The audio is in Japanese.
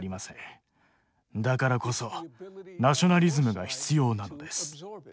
だからこそナショナリズムが必要なのです。